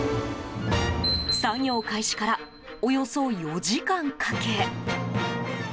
作業開始からおよそ４時間かけ。